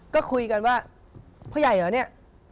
ก็คุยกันว่าพ่อใหญ่เหรอเนี่ย